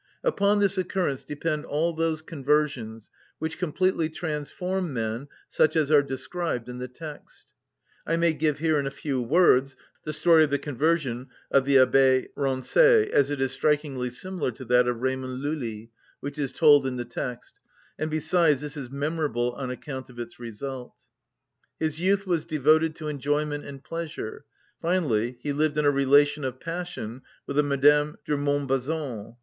Upon this occurrence depend all those conversions which completely transform men such as are described in the text. I may give here in a few words the story of the conversion of the Abbé Rancé, as it is strikingly similar to that of Raymond Lully, which is told in the text, and besides this is memorable on account of its result. His youth was devoted to enjoyment and pleasure; finally, he lived in a relation of passion with a Madame de Montbazon.